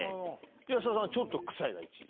安田さんは「ちょっと臭い」が１位。